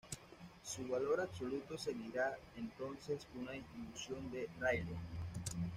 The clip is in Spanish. Su valor absoluto seguirá entonces una distribución de Rayleigh.